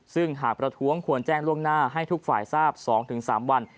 ซึ่งหากประท้วงควรแจ้งล่วงหน้าให้ทุกฝ่ายทราบ๒๓วัน